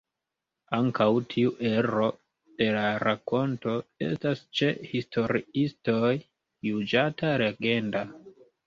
Ankaŭ tiu ero de la rakonto estas ĉe historiistoj juĝata legenda.